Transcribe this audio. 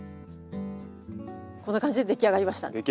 こんな感じで出来上がりました。